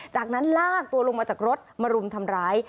จากนั้นลากตัวลงมาจากรถมารุมทำร้าย